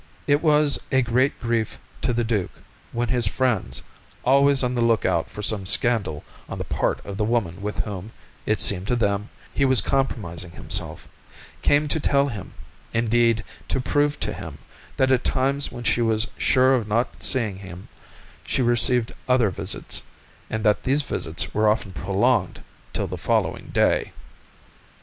It was a great grief to the duke when his friends, always on the lookout for some scandal on the part of the woman with whom, it seemed to them, he was compromising himself, came to tell him, indeed to prove to him, that at times when she was sure of not seeing him she received other visits, and that these visits were often prolonged till the following day.